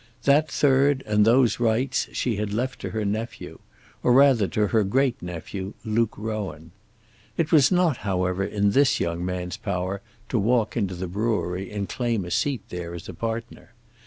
That third and those rights she had left to her nephew, or rather to her great nephew, Luke Rowan. It was not, however, in this young man's power to walk into the brewery and claim a seat there as a partner.